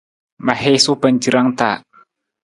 Ma hiisu pancirang ta.